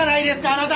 あなた！